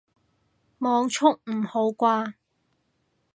網速唔好啩